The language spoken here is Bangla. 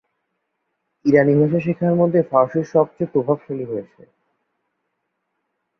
ইরানী ভাষা শেখার মধ্যে ফার্সি সবচেয়ে প্রভাবশালী হয়েছে।